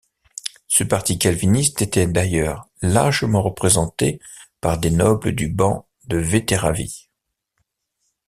Ce parti calviniste était d'ailleurs largement représenté par des nobles du ban de Vettéravie.